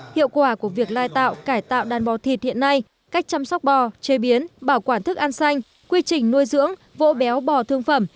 hiệu quả của việc lai tạo cải tạo đàn bò thịt hiện nay cách chăm sóc bò chế biến bảo quản thức ăn xanh quy trình nuôi dưỡng vỗ béo bò thương phẩm